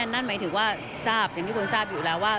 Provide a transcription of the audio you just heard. นั่นหมายถึงว่าทราบอย่างที่คุณทราบอยู่แล้วว่า